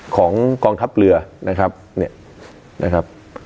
ของกองทัพเรือนะครับ